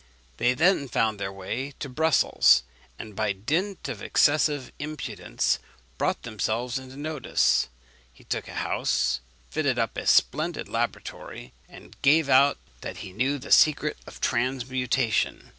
They then found their way to Brussels, and by dint of excessive impudence, brought themselves into notice. He took a house, fitted up a splendid laboratory, and gave out that he knew the secret of transmutation.